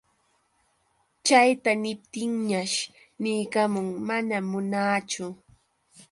Chayta niptinñash niykamun: manam munaachu.